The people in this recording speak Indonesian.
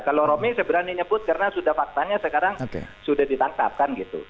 kalau romi seberani nyebut karena sudah faktanya sekarang sudah ditangkapkan gitu